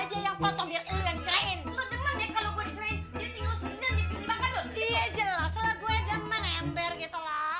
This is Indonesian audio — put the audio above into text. iya jelas lah gue demen ember gitu lah